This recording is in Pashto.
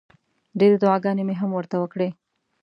ډېرې دوعاګانې مې هم ورته وکړې.